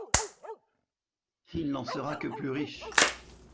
Il n’en sera que plus riche.